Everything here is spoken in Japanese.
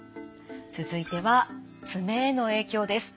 続いては爪への影響です。